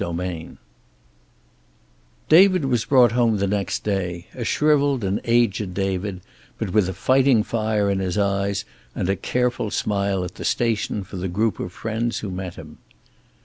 XXXIII David was brought home the next day, a shrivelled and aged David, but with a fighting fire in his eyes and a careful smile at the station for the group of friends who met him.